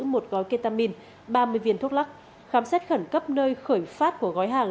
một gói ketamine ba mươi viên thuốc lắc khám xét khẩn cấp nơi khởi phát của gói hàng